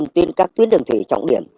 trên các tuyến đường thủy trọng điểm